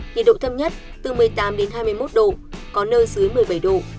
nhiệt độ thâm nhất từ một mươi tám hai mươi một độ có nơi dưới một mươi bảy độ